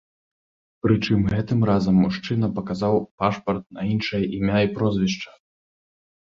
Прычым гэтым разам мужчына паказаў пашпарт на іншае імя і прозвішча.